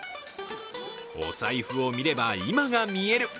お財布を見れば今が見える。